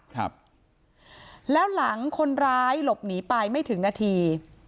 ครับแล้วหลังคนร้ายหลบหนีไปไม่ถึงนาที